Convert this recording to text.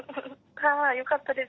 よかったです